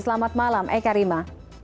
selamat malam eka rima